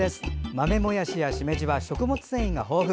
豆もやしやしめじは食物繊維が豊富。